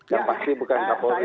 yang pasti bukan kapolri